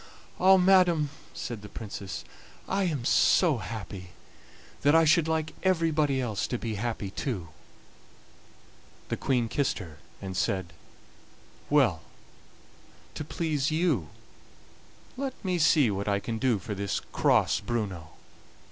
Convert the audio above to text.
"Ah! madam," said the Princess, "I am so happy that I should like everybody else to be happy too." The Queen kissed her, and said: "Well, to please you, let me see what I can do for this cross Bruno."